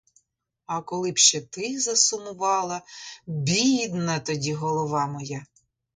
А коли б ще ти засумувала, бідна тоді голова моя!